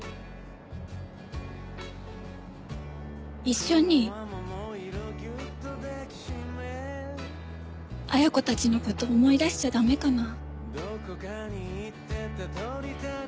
一緒に恵子たちの事思い出しちゃ駄目かな？